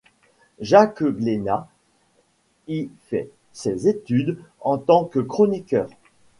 Jacques Glénat y fait ses débuts en tant que chroniqueur.